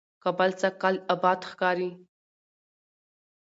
کابل سږکال آباد ښکاري،